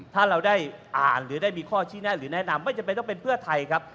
ถ้าเราได้อ่านหรือได้มีข้อชี้แนะหรือแนะนำไม่จำเป็นต้องเป็นเพื่อไทยครับ